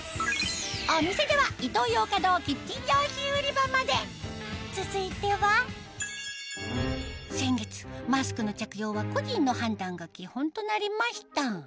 お店では続いては先月マスクの着用は個人の判断が基本となりました